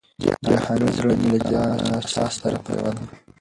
جهاني زړه مي له چا سره پیوند کړم